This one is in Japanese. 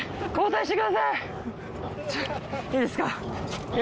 いいですか？